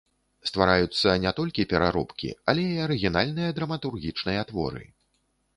Ствараюцца не толькі пераробкі, але і арыгінальныя драматургічныя творы.